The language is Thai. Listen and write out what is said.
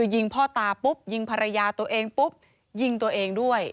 ยิงพ่อตาปุ๊บยิงภรรยาตัวเองปุ๊บยิงตัวเองด้วย